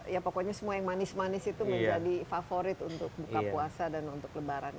ya pokoknya semua yang manis manis itu menjadi favorit untuk buka puasa dan untuk lebaran